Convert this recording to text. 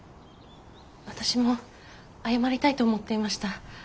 私も謝りたいと思っていました。